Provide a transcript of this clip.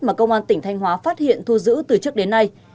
mà công an tỉnh thanh hóa phát hiện thu giữ từ trước đến nay